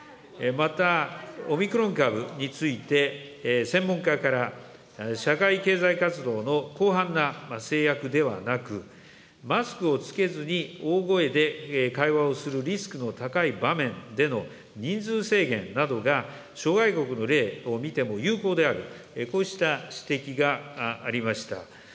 また、オミクロン株について、専門家から社会経済活動の広範な制約ではなく、マスクを着けずに大声で会話をするリスクの高い場面での人数制限などが、諸外国の例を見ても有効である、こうした指摘がありました。